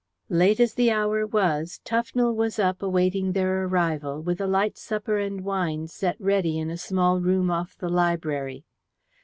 Late as the hour was, Tufnell was up awaiting their arrival, with a light supper and wine set ready in a small room off the library.